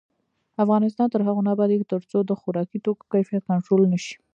افغانستان تر هغو نه ابادیږي، ترڅو د خوراکي توکو کیفیت کنټرول نشي.